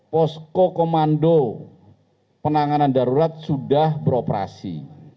posko komando penanganan darurat sudah beroperasi